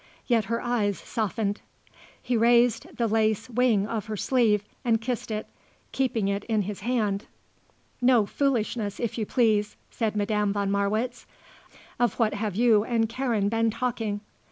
Yet her eyes softened. He raised the lace wing of her sleeve and kissed it, keeping it in his hand. "No foolishness if you please," said Madame von Marwitz. "Of what have you and Karen been talking?"